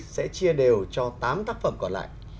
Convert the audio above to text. sẽ chia đều cho tám tác phẩm còn lại